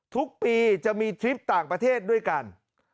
ทุกปีจะมีทริปต่างประเทศด้วยกัน